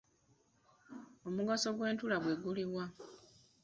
Omugaso gw'ettulo gwe guli wa?